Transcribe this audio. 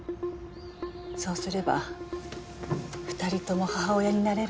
そうすれば２人とも母親になれるから。